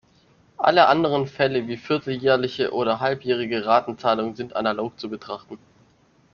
Alle anderen Fälle wie vierteljährliche oder halbjährliche Ratenzahlungen sind analog zu betrachten.